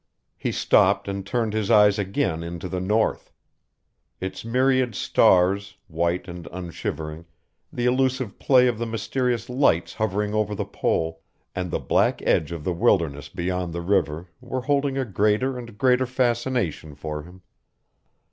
He stopped and turned his eyes again into the North. Its myriad stars, white and unshivering, the elusive play of the mysterious lights hovering over the pole, and the black edge of the wilderness beyond the river were holding a greater and greater fascination for him.